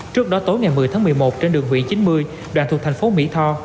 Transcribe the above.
trước đó tối ngày một mươi tháng một mươi một trên đường vị chín mươi đoạn thuộc thành phố mỹ tho